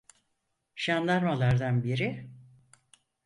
Jandarmalardan biri: